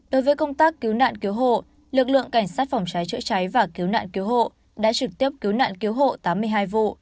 đối với công tác cứu nạn cứu hộ lực lượng cảnh sát phòng cháy chữa cháy và cứu nạn cứu hộ đã trực tiếp cứu nạn cứu hộ tám mươi hai vụ